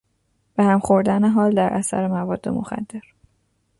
به هم خوردن حال در اثر مواد مخدر